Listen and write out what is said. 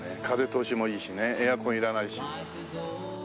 風通しもいいしねエアコンいらないし。